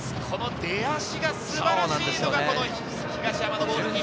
出足が素晴らしいのが東山のゴール。